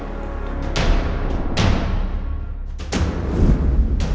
terus di bawah hotel